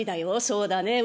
そうだねえ